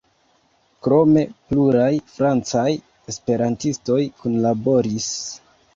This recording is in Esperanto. Krome pluraj francaj esperantistoj kunlaboris.